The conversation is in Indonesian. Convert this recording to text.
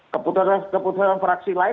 keputusan fraksi lain